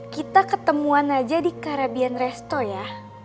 kita ketemuan aja di karabian resto ya